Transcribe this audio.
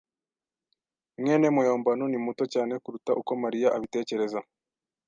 mwene muyombano ni muto cyane kuruta uko Mariya abitekereza.